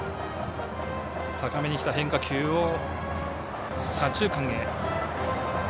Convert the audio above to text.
高めにきた変化球を左中間へ。